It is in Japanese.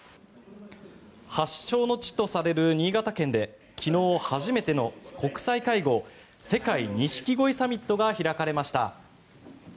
発祥の地とされる新潟県で昨日初めての国際会合世界錦鯉サミットが開かれました。